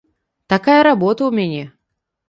Такая работа ў мяне.